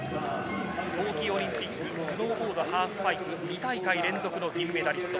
冬季オリンピックスノーボードハーフパイプ２大会連続の銀メダリスト。